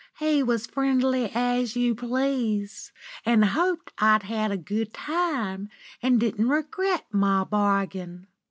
He was friendly as you please, and hoped I'd had a good time, and didn't regret my bargain.